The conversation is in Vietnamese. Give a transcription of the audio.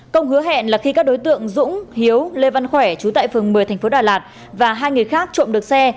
công hứa hẹn là khi các đối tượng dũng hiếu lê văn khỏe trú tại phường một mươi tp đà lạt và hai người khác trộm được xe